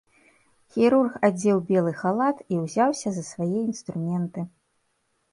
Хірург адзеў белы халат і ўзяўся за свае інструменты.